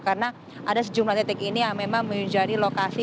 karena ada sejumlah titik ini yang memang menjadi lokasi